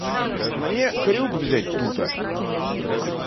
Мне крюк взять тута.